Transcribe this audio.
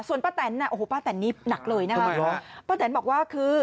ส่วนป้าแตนน่ะโอ้โหป้าแตนนี่หนักเลยนะคะป้าแตนบอกว่าคือ